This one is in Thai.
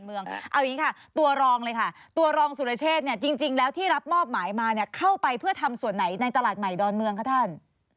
เอาอย่างนี้ค่ะตัวรองเลยค่ะตัวรองสุรเชษเนี่ยจริงแล้วที่รับมอบหมายมาเนี่ยเข้าไปเพื่อทำส่วนไหนในตลาดใหม่ดอนเมืองคะท่าน